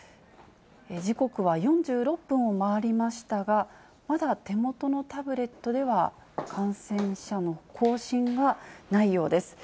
時刻は４６分を回りましたが、まだ手元のタブレットでは感染者の更新はないようです。